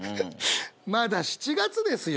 まだ７月ですよ。